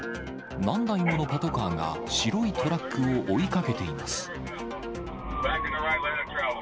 何台ものパトカーが、白いトラックを追いかけています。